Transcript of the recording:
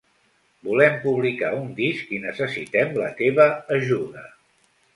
Volem publicar un disc i necessitem la teva ajuda.